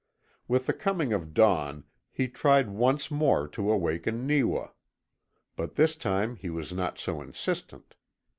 With the coming of dawn he tried once more to awaken Neewa. But this time he was not so insistent.